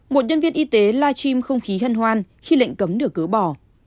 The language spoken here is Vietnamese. một nhân viên y tế la chim không khí hân hoan khi lệnh cấm được cửa bỏ